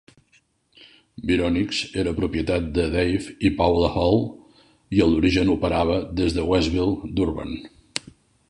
Vironix era propietat de Dave i Paula Hall i a l'origen operava des Westville, Durban.